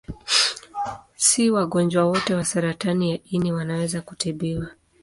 Si wagonjwa wote wa saratani ya ini wanaweza kutibiwa.